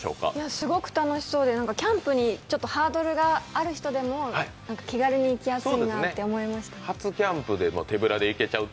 すごく楽しそうで、キャンプにちょっとハードルがある人でも気軽に行きやすいなって思いました。